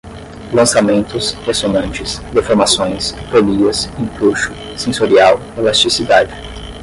lançamentos, ressonantes, deformações, polias, empuxo, sensorial, elasticidade